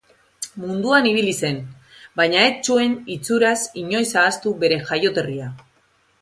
Munduan ibili zen, baina ez zuen itxuraz inoiz ahaztu bere jaioterria.